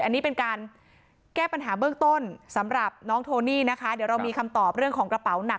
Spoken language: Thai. อันนี้เป็นการแก้ปัญหาเบื้องต้นสำหรับน้องโทนี่นะคะเดี๋ยวเรามีคำตอบเรื่องของกระเป๋าหนัก